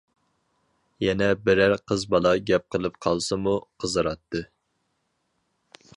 يەنى بىرەر قىز بالا گەپ قىلىپ قالسىمۇ قىزىراتتى.